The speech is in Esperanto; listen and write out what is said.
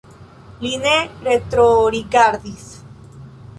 Li ne retrorigardis.